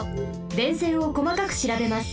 電線をこまかくしらべます。